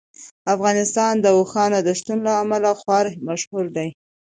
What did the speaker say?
افغانستان د اوښانو د شتون له امله خورا مشهور دی.